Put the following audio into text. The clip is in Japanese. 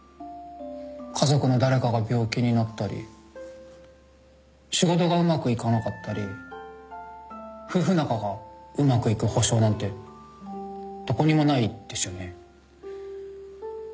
家族の誰かが病気になったり仕事がうまくいかなかったり夫婦仲がうまくいく保証なんてどこにもないですよね？